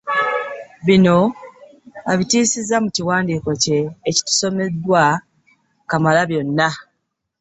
Bino abitisizza mu kiwandiiko kye ekitusomeddwa Kamalabyonna.